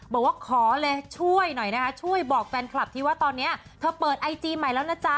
บอกว่าขอเลยช่วยหน่อยนะคะช่วยบอกแฟนคลับที่ว่าตอนนี้เธอเปิดไอจีใหม่แล้วนะจ๊ะ